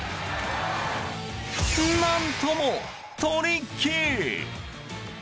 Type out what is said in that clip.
何ともトリッキー！